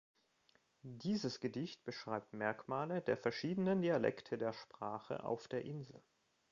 Dieses Gedicht beschreibt Merkmale der verschiedenen Dialekte der Sprache auf der Insel.